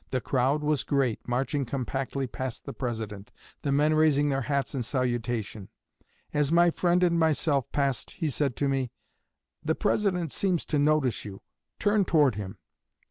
The crowd was great, marching compactly past the President, the men raising their hats in salutation. As my friend and myself passed he said to me, 'The President seems to notice you turn toward him.'